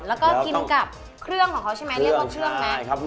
แล้วก็กินกับเครื่องของเขาใช่ไหมเรียกว่าเชื่องไหม